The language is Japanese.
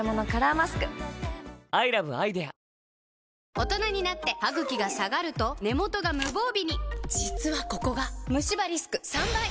大人になってハグキが下がると根元が無防備に実はここがムシ歯リスク３倍！